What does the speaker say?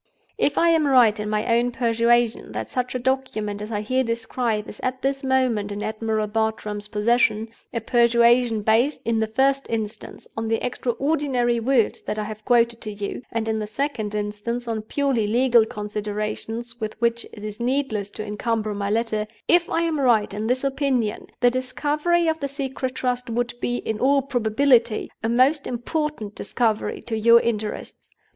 "If I am right in my own persuasion that such a document as I here describe is at this moment in Admiral Bartram's possession—a persuasion based, in the first instance, on the extraordinary words that I have quoted to you; and, in the second instance, on purely legal considerations with which it is needless to incumber my letter—if I am right in this opinion, the discovery of the Secret Trust would be, in all probability, a most important discovery to your interests.